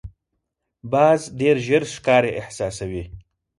باز ډېر ژر ښکار احساسوي